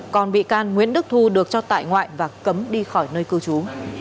còn bị can nguyễn đức thu được cho tại ngoại và cấm đi khỏi nơi cư trú